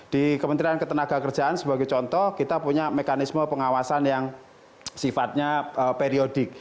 di kementerian ketenaga kerjaan sebagai contoh kita punya mekanisme pengawasan yang sifatnya periodik